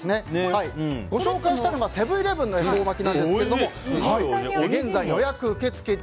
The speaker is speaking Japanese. ご紹介したのはセブン‐イレブンの恵方巻きですが現在、予約受け付け中。